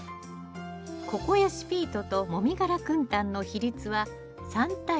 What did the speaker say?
ココヤシピートともみ殻くん炭の比率は３対２。